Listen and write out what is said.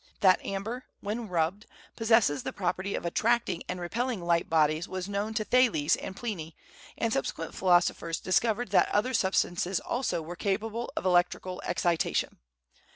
That amber, when rubbed, possesses the property of attracting and repelling light bodies was known to Thales and Pliny, and subsequent philosophers discovered that other substances also were capable of electrical excitation.